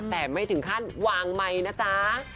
แต่ไม่ถึงขั้นวางไมค์นะจ๊ะ